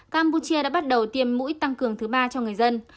campuchia đã bắt đầu tiêm mũi tăng cường thứ ba cho người dân